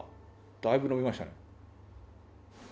だいぶ伸びましたね。